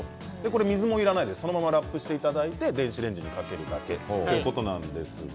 水もいらないでそのままラップしていただいて電子レンジにかけるだけです。